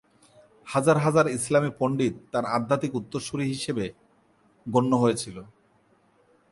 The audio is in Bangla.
হাজার হাজার ইসলামী পণ্ডিত তাঁর আধ্যাত্মিক উত্তরসূরি হিসাবে গণ্য হয়েছিল।